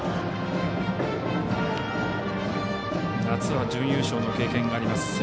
夏は準優勝の経験があります。